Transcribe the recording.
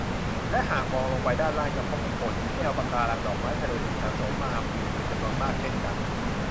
และหากมองลงไปด้านล่างจะพบกับโขดหิน แนวปะการัง ดอกไม้ทะเลสีสันสวยงามอยู่เป็นจำนวนมากเช่นกัน